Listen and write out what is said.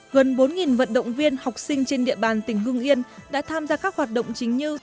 gần bốn vận động viên học sinh trên địa bàn tỉnh hương yên đã tham gia các hoạt động chính như